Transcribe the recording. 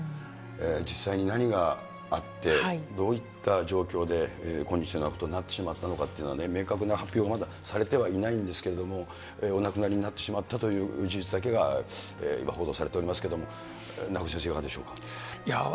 実際に何があって、どういった状況で、今日のようなことになってしまったのかということは明確な発表はまだされてはいないんですけれども、お亡くなりになってしまったという事実だけが今報道されておりますけれども、名越先生、いかがでしょうか。